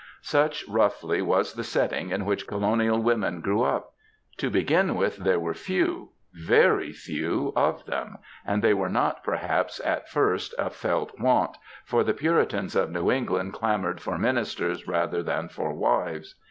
Such, roughly, was the setting in which colonial women grew up. To begin with, there were few, very few, of them, and they were not, perhaps, at first ^* a felt want,^ for the Puritans of New England clamoured for ministers rather than for wives.